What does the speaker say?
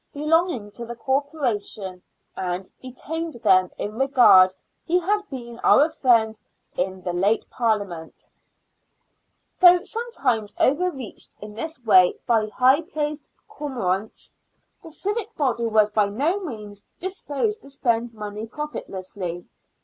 belonging to the Corporation, and " detained them, in regard he had been our friend in the late Parliament," Though sometimes over reached in this way by high placed cormorants, the civic body was by no means disposed to spend money profitlessly.